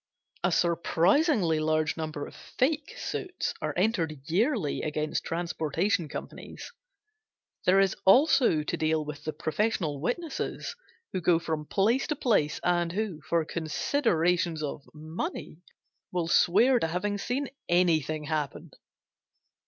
A surprisingly large number of fake suits are entered yearly against transportation companies. There is also to deal with the professional witnesses, who go from place to place, and who, for considerations of money, will swear to having seen anything happen.